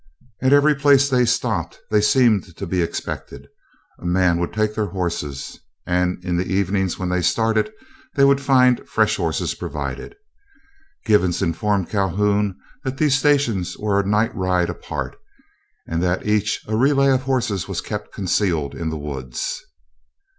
At every place they stopped, they seemed to be expected. A man would take their horses, and in the evening when they started, they would find fresh horses provided. Givens informed Calhoun that these stations were a night ride apart, and that at each a relay of horses was kept concealed in the woods.